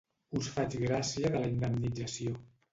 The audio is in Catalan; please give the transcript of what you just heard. Us faig gràcia de la indemnització.